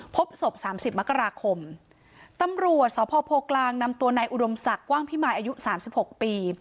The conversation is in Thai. พบศพ๓๐มกราคมตำรวจสพกลางนำตัวนายอุดมศักดิ์ว่างพิมายอายุ๓๖ปี